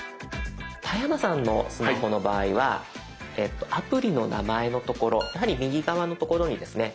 田山さんのスマホの場合はアプリの名前のところやはり右側のところにですね